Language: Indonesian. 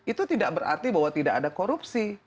itu tidak berarti bahwa tidak ada korupsi